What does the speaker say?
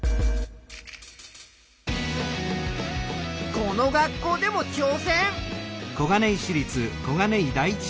この学校でもちょう戦！